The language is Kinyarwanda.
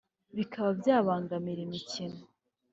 bikaba byabangamira imikino